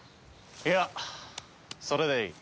いやそれでいい。